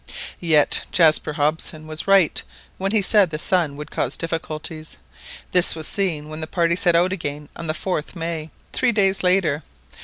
Yet Jaspar Hobson was right when he said the sun would cause difficulties. This was seen when the party set out again on the 4th May, three days later.